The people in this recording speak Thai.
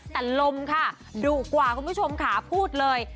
แต่ลมค่ะดุกว่าคุณผู้ชมค่ะพูดเลย